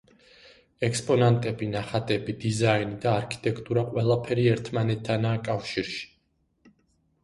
ექსპონატები, ნახატები, დიზაინი და არქიტექტურა ყველაფერი ერთმანეთთანაა კავშირში.